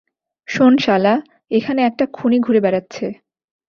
শোন শালা, এখানে একটা খুনি ঘুরে বেড়াচ্ছে।